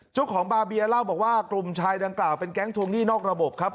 เจ้าของบาเบียเล่าบอกว่ากลุ่มชายดังกล่าวเป็นแก๊งทวงหนี้นอกระบบครับ